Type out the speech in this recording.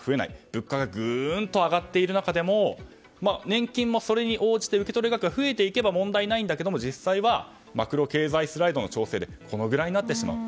物価がグンと上がっている中でも年金もそれに応じて受け取れる額が増えていけば問題ないけれど実際はマクロ経済スライドの調整でこのぐらいになってしまう。